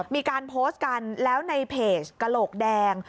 มีการโพสต์กันแล้วในเพจกระโหลกแดง